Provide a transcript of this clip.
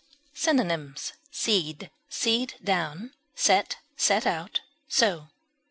Synonyms: seed, seed down, set, set out, sow.